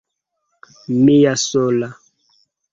Mia sola!